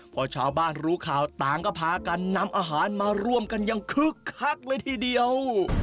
พอชาวบ้านรู้ข่าวต่างก็พากันนำอาหารมาร่วมกันอย่างคึกคักเลยทีเดียว